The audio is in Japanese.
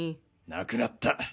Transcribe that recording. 亡くなった。